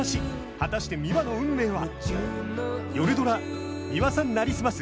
果たして、ミワの運命は？